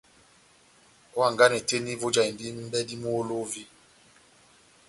Ó hanganɛ tɛ́h eni vojahindi mʼbladi muholovi.